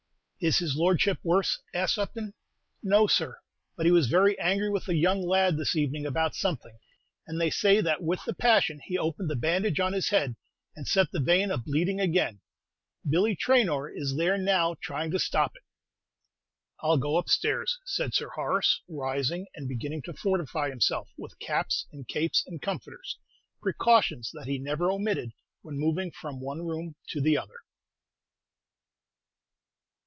"Is his Lordship worse?" asked Upton. "No, sir; but he was very angry with the young lord this evening about something, and they say that with the passion he opened the bandage on his head, and set the vein a bleed ing again. Billy Traynor is there now trying to stop it." "I'll go upstairs," said Sir Horace, rising, and beginning to fortify himself with caps, and capes, and comforters, precautions that he never omitted when moving from one room to the other.